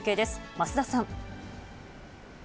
増田さん。